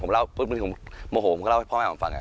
ผมเล่าพรุ่งที่ผมโมโหผมก็เล่าให้พ่อแม่ผมฟัง